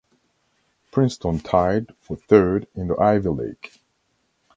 Princeton tied for third in the Ivy League.